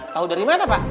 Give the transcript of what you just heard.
tahu dari mana pak